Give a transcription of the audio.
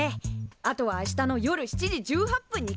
あとは明日の夜７時１８分に来るだけ。